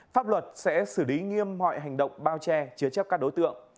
pháp luật sẽ xử lý nghiêm mọi hành động bao che chứa chấp các đối tượng